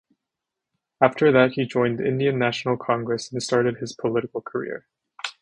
After that he joined Indian National Congress and started his political career.